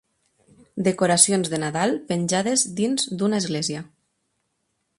Decoracions de Nadal penjades dins d'una església.